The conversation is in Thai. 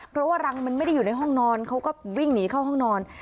เพราะว่ารังมันไม่ได้อยู่ในห้องนอนเขาก็วิ่งหนีเข้าห้องนอน